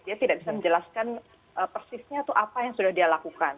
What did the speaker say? dia tidak bisa menjelaskan persisnya itu apa yang sudah dia lakukan